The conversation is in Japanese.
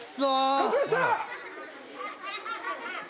勝ちました！